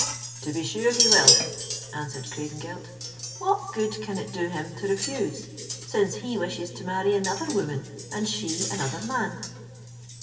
"To be sure he will," answered Craigengelt; "what good can it do him to refuse, since he wishes to marry another woman and she another man?"